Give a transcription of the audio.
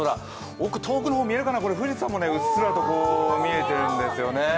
奥、遠くの方見えるかな富士山もうっすらと見えているんですよね。